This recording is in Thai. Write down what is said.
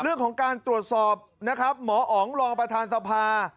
เรื่องของการตรวจสอบนะครับหมออ๋องรองประธานสภา